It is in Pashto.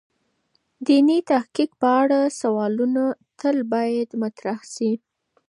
د دیني تحقیق په اړه سوالونه تل باید مطرح شی.